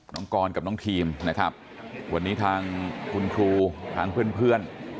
น้องกรกับน้องทีมนะครับวันนี้ทางคุณครูทางเพื่อน